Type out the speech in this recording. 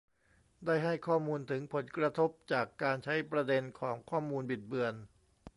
ได้ให้ข้อมูลถึงผลกระทบจากการใช้ประเด็นของข้อมูลบิดเบือน